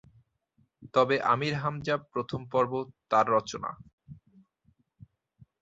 তবে আমির হামজা প্রথম পর্ব তাঁর রচনা।